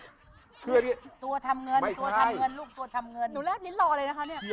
ตัวทำเงินตัวทำเงินลูกตัวทำเงิน